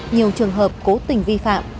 nhiều trường hợp cố tình vi phạm